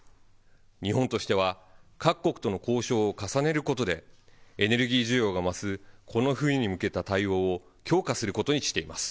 日本としては各国との交渉を重ねることで、エネルギー需要が増す、この冬に向けた対応を強化することにしています。